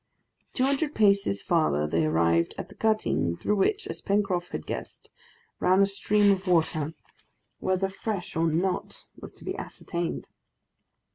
Two hundred paces farther they arrived at the cutting, through which, as Pencroft had guessed, ran a stream of water, whether fresh or not was to be ascertained.